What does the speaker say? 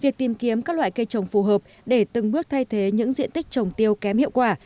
việc tìm kiếm các loại cây trồng phù hợp để từng bước thay thế những diện tích trồng tiêu kém hiệu quả